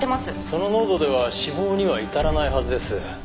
その濃度では死亡には至らないはずです。